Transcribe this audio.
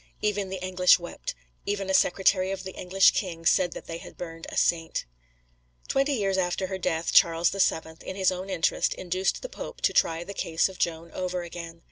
Even the English wept, even a secretary of the English king said that they had burned a Saint. Twenty years after her death Charles VII, in his own interest, induced the Pope to try the case of Joan over again.